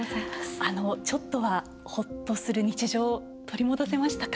ちょっとは、ほっとする日常を取り戻せましたか。